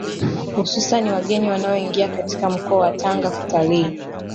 Hususani wageni wanaoingia katika mkoa wa Tanga kutalii